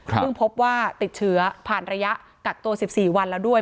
พบว่าติดเชื้อผ่านระยะกักตัว๑๔วันแล้วด้วย